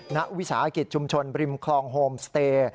วิสาหกิจชุมชนบริมคลองโฮมสเตย์